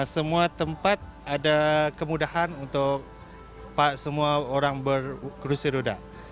semua tempat ada kemudahan untuk semua orang berkursi roda